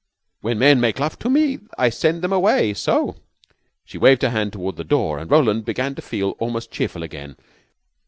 "When men make love to me, I send them away so." She waved her hand toward the door, and Roland began to feel almost cheerful again.